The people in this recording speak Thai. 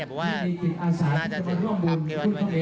ผมว่าน่าจะเจ๋งความที่ว่าที่วันนี้